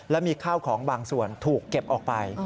และมีข้าวของบางส่วนถูกเก็บออกไป